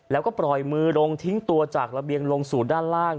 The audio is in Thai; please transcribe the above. แล้วก็ปล่อยมือลงทิ้งตัวจากระเบียงลงสู่ด้านล่าง